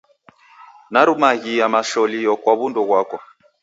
Narumaghia masholio kwa w'undu ghwako.